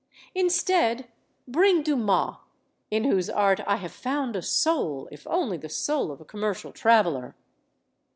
Instead, bring Dumas; in whose art I have found a soul, if only the soul of a com mercial traveler.